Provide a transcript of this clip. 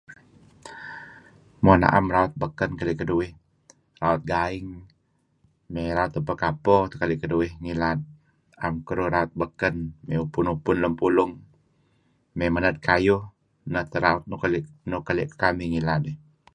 Mo na'em raut beken keli' keduih. Raut gaing mey raut nebpek apo teh keli' keduih ngilad. Am keduih raut beken, mey upun-upun lem pulung , mey menad kayuh, neh teh raut nuk keli' kekamih ngilad.